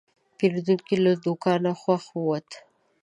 پیرودونکی له دوکانه خوښ ووت.